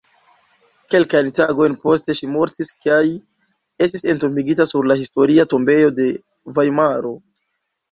Kelkajn tagojn poste ŝi mortis kaj estis entombigita sur la Historia tombejo de Vajmaro.